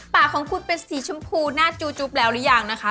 ปากของคุณเป็นสีชมพูหน้าจูจุ๊บแล้วหรือยังนะคะ